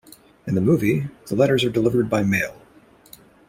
In the movie, the letters are delivered by mail.